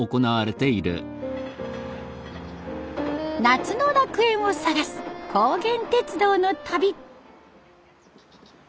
夏の楽園を探す高原鉄道の旅。